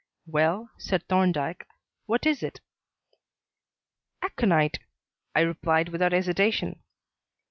"Well," said Thorndyke; "what is it?" "Aconite," I replied without hesitation.